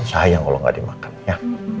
sayang kalau nggak dimakan ya